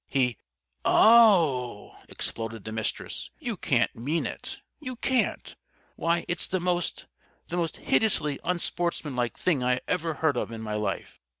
He " "Oh!" exploded the Mistress. "You can't mean it. You can't! Why, it's the most the most hideously unsportsmanlike thing I ever heard of in my life!